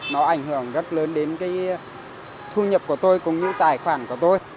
nó ảnh hưởng rất lớn đến cái thu nhập của tôi cũng như tài khoản của tôi